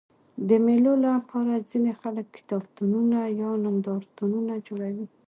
د مېلو له پاره ځيني خلک کتابتونونه یا نندارتونونه جوړوي.